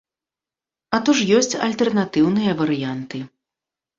А то ж ёсць альтэрнатыўныя варыянты.